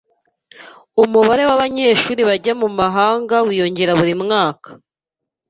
Umubare wabanyeshuri bajya mumahanga wiyongera buri mwaka.